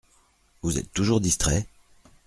Vous êtes toujours distrait ?